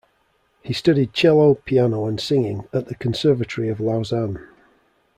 He studied cello, piano and singing at the Conservatory of Lausanne.